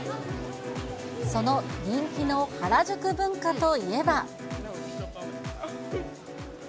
その人気の原宿文化といえば。